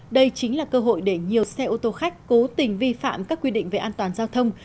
đây chính là cơ hội để nhiều xe ô tô khách cố tình vi phạm các quy định về an toàn giao thông